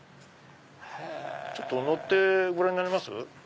ちょっと乗ってごらんになります？